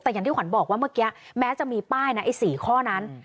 แต่อย่างที่ขวัญบอกว่าเมื่อกี้แม้จะมีป้ายนะไอ้๔ข้อนั้น